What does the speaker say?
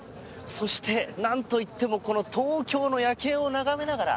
そして、なんといってもこの東京の夜景を眺めながら